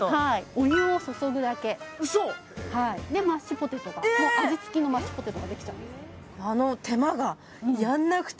お湯を注ぐだけで味つきのマッシュポテトができちゃうんです